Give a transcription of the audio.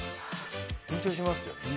緊張しますよ。